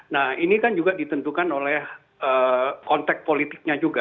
nah ini kan juga ditentukan oleh konteks politiknya juga